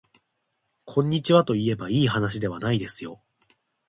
こんにちはといえばいいはなしではないですよ